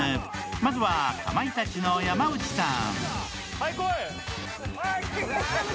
まずはかまいたちの山内さん。